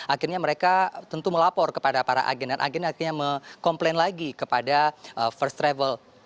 akhirnya mereka tentu melapor kepada para agen dan agen akhirnya mengkomplain lagi kepada first travel